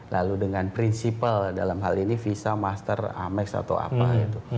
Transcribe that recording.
lalu dengan prinsipal dalam hal ini visa master amex atau apa gitu